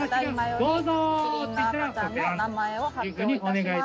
どうぞ！